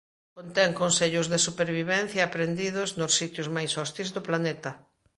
Contén consellos de supervivencia aprendidos nos sitios máis hostís do planeta.